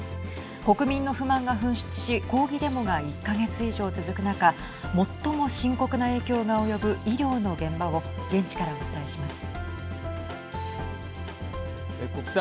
国民の不満が噴出し抗議デモが１か月以上続く中最も深刻な影響が及ぶ医療の現場を現地からお伝えします。